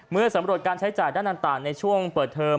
เมื่อสำรวจการใช้จ่ายด้านต่างในช่วงเปิดเทอม